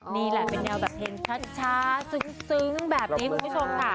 นี่แหละเป็นแนวแบบเห็นช้าซึ้งแบบนี้คุณผู้ชมค่ะ